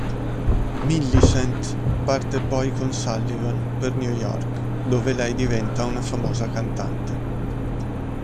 Millicent parte poi con Sullivan per New York, dove lei diventa una famosa cantante.